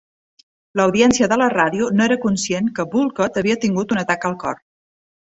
L'audiència de la ràdio no era conscient que Woollcott havia tingut un atac al cor.